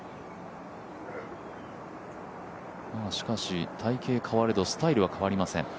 しかし体形変われどスタイルは変わりません。